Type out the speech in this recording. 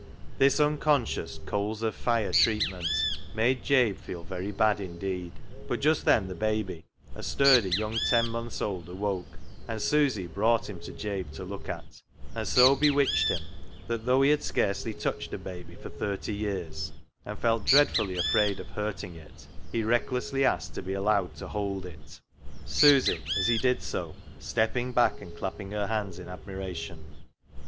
This unconscious coals of fire treatment made Jabe feel very bad indeed ; but just then the baby — a sturdy, young ten months' old — awoke, and Susy brought him to Jabe to look at, and so bewitched him that, though FOR BETTER, FOR WORSE 185 he had scarcely touched a baby for thirty years, and felt dreadfully afraid of hurting it, he recklessly asked to be allowed to hold it, Susy, as he did so, stepping back and clapping her hands in admiration.